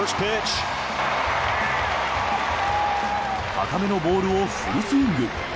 高めのボールをフルスイング。